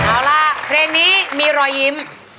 เอาล่ะเพลงนี้มีรอยยิ้ม